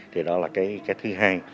thì đó là cái thứ hai